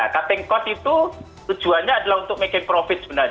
cutting cost itu tujuannya adalah untuk making profit sebenarnya